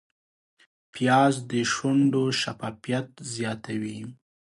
پیاز د شونډو شفافیت زیاتوي